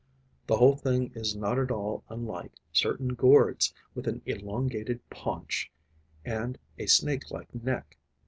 The whole thing is not at all unlike certain gourds with an elongated paunch and a snake like neck.